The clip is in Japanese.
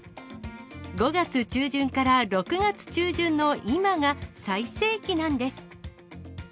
５月中旬から６月中旬の今が最盛期なんです。